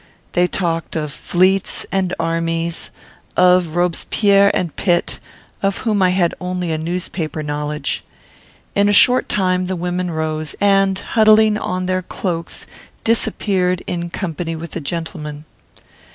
They talked of fleets and armies, of Robespierre and Pitt, of whom I had only a newspaper knowledge. In a short time the women rose, and, huddling on their cloaks, disappeared, in company with the gentleman.